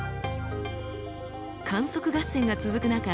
観測合戦が続く中